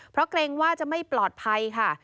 เพราะเกรงว่าจะไม่ปลอดภัยค่ะ